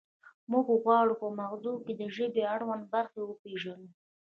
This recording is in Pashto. موږ غواړو په مغزو کې د ژبې اړوند برخې وپیژنو